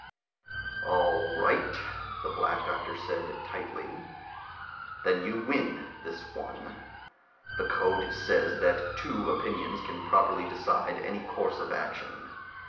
"All right," the Black Doctor said tightly. "Then you win this one. The code says that two opinions can properly decide any course of action.